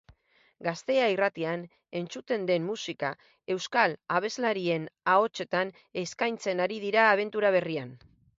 Gaztea irratian entzuten den musika euskal abeslarien ahotsetan eskaintzen ari dira abentura berrian.